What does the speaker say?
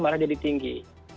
malah jadi tinggi